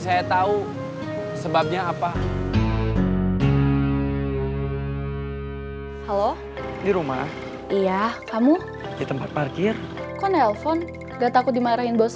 saya tahu sebabnya apa halo di rumah iya kamu di tempat parkir kok nelpon gak takut dimarahin bos